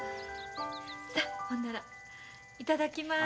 さあほんならいただきます。